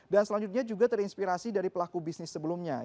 dan selanjutnya juga terinspirasi dari pelaku bisnis sebelumnya